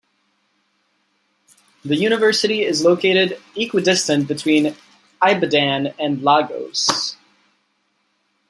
The university is located equidistant between Ibadan and Lagos.